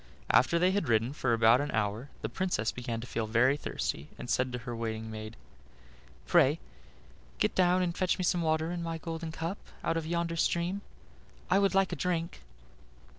After they had ridden for about an hour the Princess began to feel very thirsty, and said to her waiting maid: "Pray get down and fetch me some water in my golden cup out of yonder stream: I would like a drink."